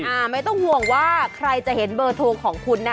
ไม่ต้องห่วงว่าใครจะเห็นเบอร์โทรของคุณนะ